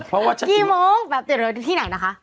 กี่โมงแบบที่แรงนะคะ